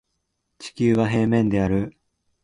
地球は平面である